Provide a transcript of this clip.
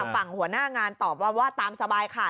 หัวหน้างานตอบว่าตามสบายค่ะ